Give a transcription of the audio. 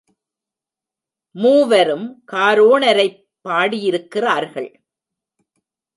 மூவரும் காரோணரைப் பாடியிருக் கிறார்கள்.